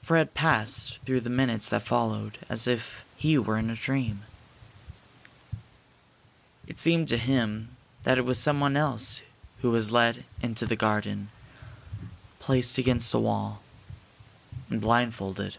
Fred passed through the minutes that followed as if he were in a dream. It seemed to him that it was someone else who was led into the garden, placed against a wall, and blindfolded.